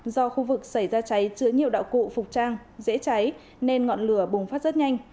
do khu vực xảy ra cháy chứa nhiều đạo cụ phục trang dễ cháy nên ngọn lửa bùng phát rất nhanh